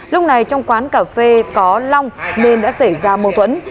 lúc này trong quán cà phê có long nên đã xảy ra mâu thuẫn